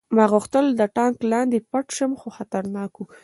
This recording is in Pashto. ما غوښتل د ټانک لاندې پټ شم خو خطرناک و